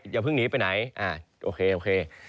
อย่าเพิ่งหนีไปไหนโอเคโอเค